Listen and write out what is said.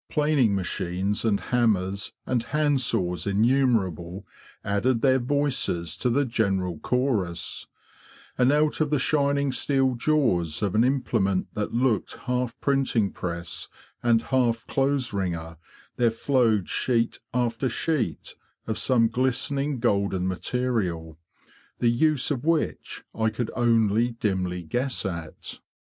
Planing machines and hammers and handsaws innumerable added their voices to the general chorus; and out of the shining steel jaws of an implement that looked half printing press and half clothes wringer there flowed sheet after sheet of some glistening golden material, the use of which I could only dimly guess at.